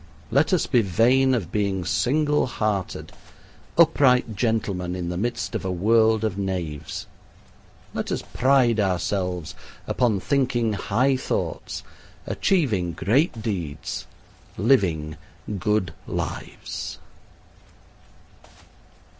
Let us be vain of being single hearted, upright gentlemen in the midst of a world of knaves. Let us pride ourselves upon thinking high thoughts, achieving great deeds, living good lives.